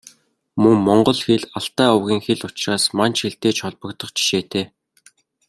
Мөн Монгол хэл Алтай овгийн хэл учраас Манж хэлтэй ч холбогдох жишээтэй.